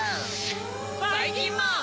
ばいきんまん！